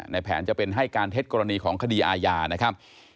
ในแผนจะเป็นให้การเท็จกรณีของคดีอาญานะครับ